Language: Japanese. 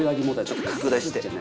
ちょっと拡大して。